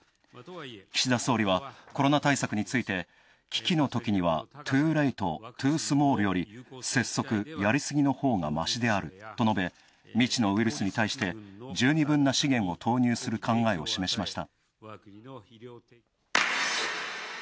岸田総理はコロナ対策について「危機のときにはｔｏｏｌａｔｅ，ｔｏｏｓｍａｌｌより拙速、やりすぎのほうがましである」と述べ未知のウイルスに対して十二分な資源を投入する考えを示しました。